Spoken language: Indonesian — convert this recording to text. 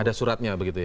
ada suratnya begitu ya